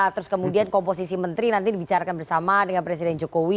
terus kemudian komposisi menteri nanti dibicarakan bersama dengan presiden jokowi